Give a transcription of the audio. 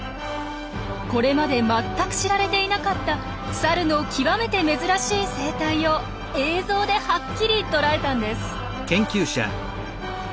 これまで全く知られていなかったサルの極めて珍しい生態を映像ではっきり捉えたんです。